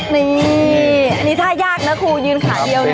นี่นี่ท่ายากนะครูยืนขาเดี่ยวเนี่ย